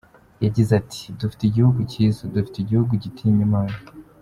Yagize ati “Dufite igihugu kiza, dufite igihugu gitinya Imana.